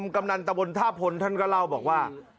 กำนันตะบนท่าพลท่านก็เล่าบอกว่า